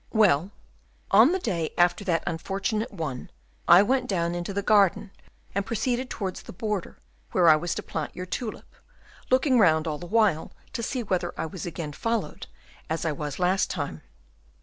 "Well, on the day after that unfortunate one, I went down into the garden and proceeded towards the border where I was to plant your tulip, looking round all the while to see whether I was again followed as I was last time."